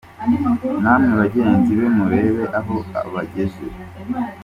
namwe bagenzi be murebe aho abageze